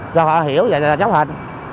cho họ hiểu vậy là chấp hành